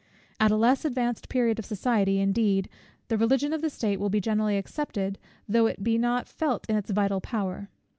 At a less advanced period of society, indeed, the Religion of the state will be generally accepted, though it be not felt in its vital power.